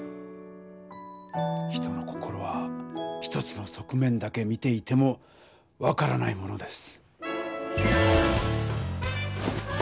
人の心は一つの側面だけ見ていても分からないものです。